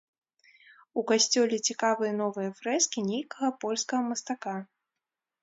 У касцёле цікавыя новыя фрэскі нейкага польскага мастака.